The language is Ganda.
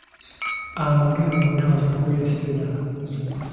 Amagezi ndaba gakwesera!